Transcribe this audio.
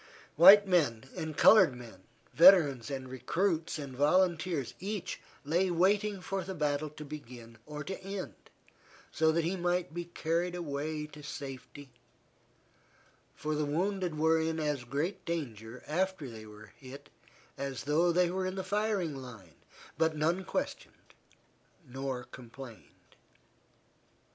White men and colored men, veterans and recruits and volunteers, each lay waiting for the battle to begin or to end so that he might be carried away to safety, for the wounded were in as great danger after they were hit as though they were in the firing line, but none questioned nor complained.